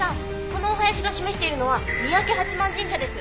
このお囃子が示しているのは三宅八幡神社です！